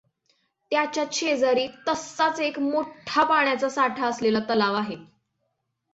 त्याच्याच शेजारी तसाच एक मोठा पाण्याचा साठा असलेला तलाव आहे.